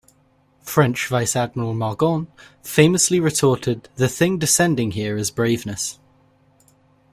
French vice-admiral Magon famously retorted "the thing descending here is braveness".